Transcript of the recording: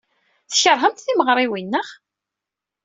Tkeṛhem timeɣriwin, naɣ?